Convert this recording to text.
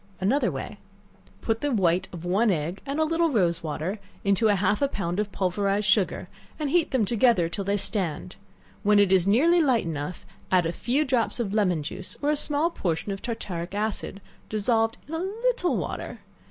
Another Way. Put the white of one egg and a little rose water into half a pound of pulverized sugar, and heat them together till they stand; when it is nearly light enough, add a few drops of lemon juice, or a small portion of tartaric acid, dissolved in a little water.